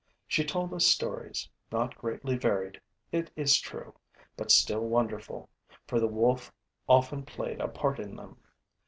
She told us stories, not greatly varied, it is true, but still wonderful, for the wolf often played a part in them.